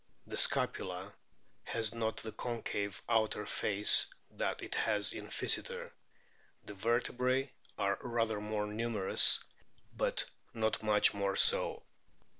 The scapula has not the concave outer face that it has in Physeter. The vertebrae are rather more numerous, but not much more so.